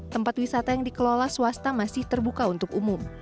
tempat wisata yang dikelola swasta masih terbuka untuk umum